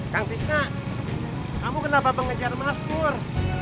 kang cisna kamu kenapa bengejar mas pur